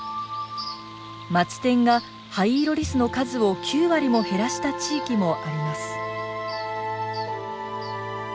マツテンがハイイロリスの数を９割も減らした地域もあります。